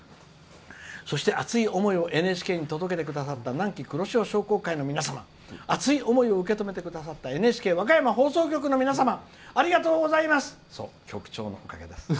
熱い思いをＮＨＫに届けてくださった南紀くろしお商工会の皆さん熱い思いを受け取ってくださったＮＨＫ和歌山放送局の皆さんありがとうございます。